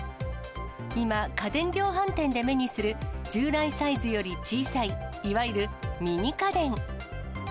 今、家電量販店で目にする、従来サイズより小さいいわゆるミニ家電。